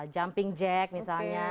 jumping jack misalnya